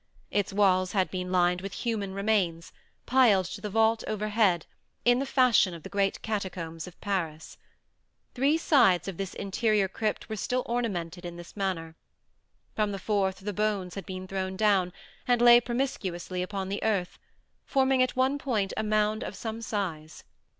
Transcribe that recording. Its walls had been lined with human remains, piled to the vault overhead, in the fashion of the great catacombs of Paris. Three sides of this interior crypt were still ornamented in this manner. From the fourth the bones had been thrown down, and lay promiscuously upon the earth, forming at one point a mound of some size.